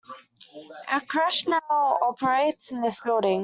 A creche now operates in this building.